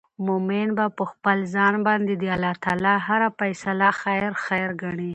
مؤمن به په خپل ځان باندي د الله تعالی هره فيصله خير خير ګڼې